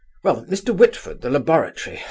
"Well, Mr. Whitford, the laboratory ah!